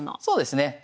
そうですね。